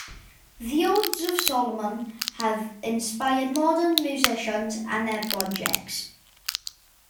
The Odes of Solomon have inspired modern musicians and their projects.